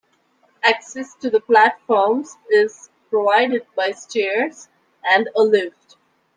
Access to the platforms is provided by stairs and a lift.